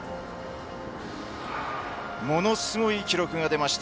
ものすごい記録が出ました